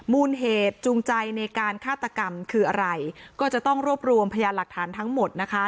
มูลเหตุจูงใจในการฆาตกรรมคืออะไรก็จะต้องรวบรวมพยานหลักฐานทั้งหมดนะคะ